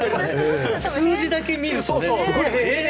数字だけ見るとね。